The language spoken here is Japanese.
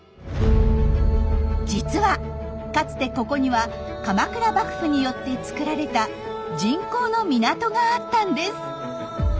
実はかつてここには鎌倉幕府によって造られた人工の港があったんです。